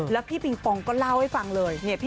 แล้วพี่เปียเชอร์ก็เล่าให้ฟังเลย